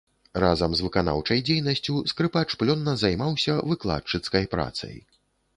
Разам з выканаўчай дзейнасцю скрыпач плённа займаўся выкладчыцкай працай.